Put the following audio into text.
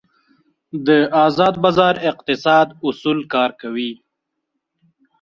د ازاد بازار اقتصاد اصول کار کوي.